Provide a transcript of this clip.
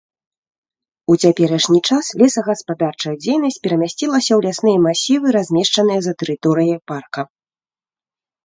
У цяперашні час лесагаспадарчая дзейнасць перамясцілася ў лясныя масівы, размешчаныя за тэрыторыяй парка.